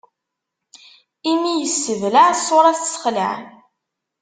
Imi yessebleɛ, ṣṣuṛa tessexlaɛ.